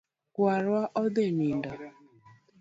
Kwar wa odhi nindo